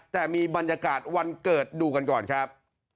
แต่มีบรรยากาศวันเกิดดูกันก่อนครับ